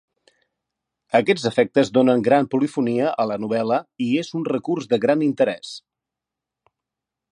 Aquests efectes donen gran polifonia a la novel·la i és un recurs de gran interès.